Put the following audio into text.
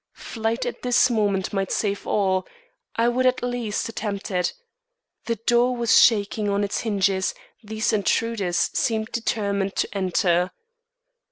Flight at this moment might save all; I would at least attempt it. The door was shaking on its hinges; these intruders seemed determined to enter.